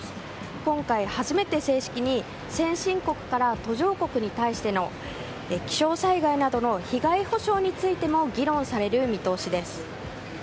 今回、初めて正式に先進国から途上国に対しての気象災害などの被害補償についても議論される見通しです。